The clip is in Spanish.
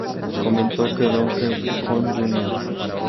Comentó que Donkey Kong Jr.